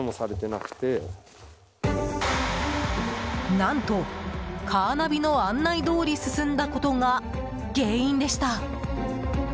何と、カーナビの案内どおり進んだことが原因でした。